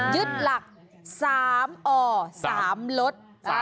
ยึดหลัก๓อ๓ลด